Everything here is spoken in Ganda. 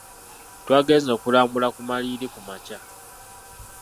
Twagenze okulambula ku maliiri ku makya..